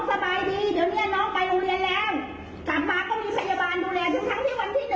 กลับมาก็มีพยาบาลดูแลทั้งทั้งที่วันที่หนึ่งอ่ะ